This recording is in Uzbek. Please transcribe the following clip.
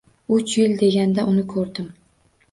Uch yil deganda uni ko`rdim